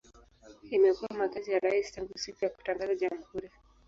Imekuwa makazi ya rais tangu siku ya kutangaza jamhuri.